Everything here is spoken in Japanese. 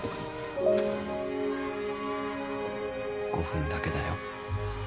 ５分だけだよ。